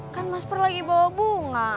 kan mas pur lagi bawa bunga